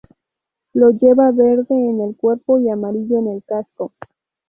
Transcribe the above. Lo lleva verde en el cuerpo y amarillo en el casco.